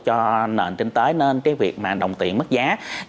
cho nền kinh tế nên cái việc mà đồng tiền mất giá